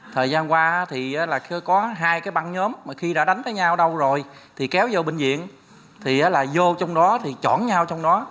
thời gian qua thì có hai băng nhóm khi đã đánh với nhau đau rồi thì kéo vô bệnh viện vô trong đó thì chọn nhau trong đó